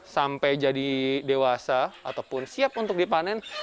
sampai jadi dewasa ataupun siap untuk dipanen